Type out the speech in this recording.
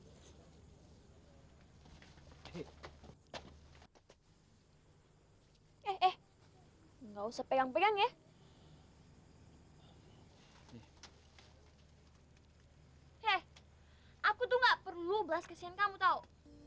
eh aku tuh nggak perlu bahas kesian kamu tau